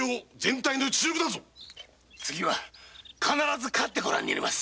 次は必ず勝ってごらんに入れます。